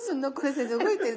先生。